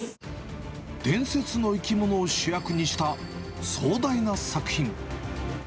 伝説の生き物を主役にした壮大な作品。